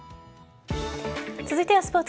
続いてはスポーツ。